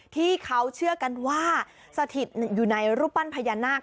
ที่เขาเชื่อกันว่าสถิตอยู่ในรูปปั้นพญานาค